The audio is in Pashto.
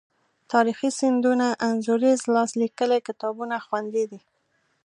تاریخي سندونه، انځوریز لاس لیکلي کتابونه خوندي دي.